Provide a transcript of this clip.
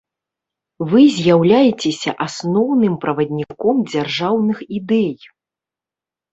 Вы з'яўляецеся асноўным правадніком дзяржаўных ідэй.